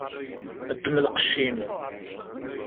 Ddem lqec-im.